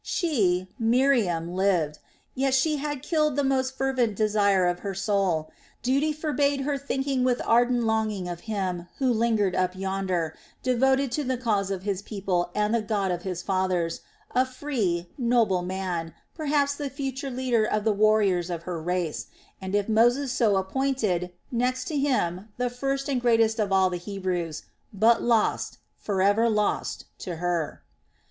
She, Miriam, lived, yet she had killed the most fervent desire of her soul; duty forbade her thinking with ardent longing of him who lingered up yonder, devoted to the cause of his people and the God of his fathers, a free, noble man, perhaps the future leader of the warriors of her race, and if Moses so appointed, next to him the first and greatest of all the Hebrews, but lost, forever lost to her.